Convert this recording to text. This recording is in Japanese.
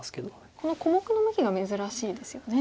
この小目の向きが珍しいですよね。